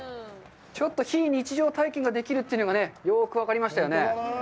ちょっと非日常体験ができるというのがよく分かりましたよね。